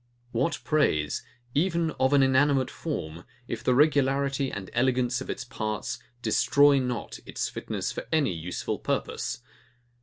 What praise, even of an inanimate form, if the regularity and elegance of its parts destroy not its fitness for any useful purpose!